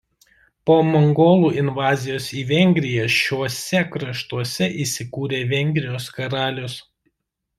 Po mongolų invazijos į Vengriją šiuose kraštuose įsikūrė Vengrijos karalius.